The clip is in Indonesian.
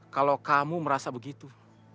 kalau kamu merasa begitu